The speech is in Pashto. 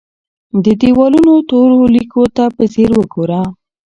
د دیوالونو تورو لیکو ته په ځیر وګوره.